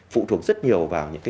phụ thuộc rất nhiều vào những cái